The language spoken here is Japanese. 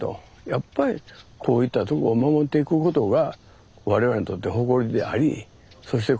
やっぱりこういったとこを守っていくことが我々にとって誇りでありそして